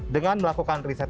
dengan melakukan riset